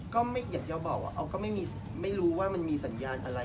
ก็ไม่อยากจะบอกว่าออฟก็ไม่รู้ว่ามันมีสัญญาณอะไร